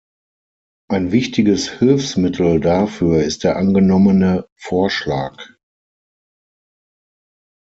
Ein wichtiges Hilfsmittel dafür ist der angenommene Vorschlag.